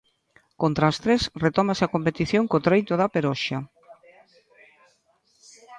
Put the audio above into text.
Contra as tres retómase a competición co treito da Peroxa.